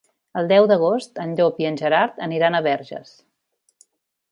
El deu d'agost en Llop i en Gerard aniran a Verges.